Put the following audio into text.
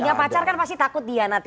punya pacar kan pasti takut dihianati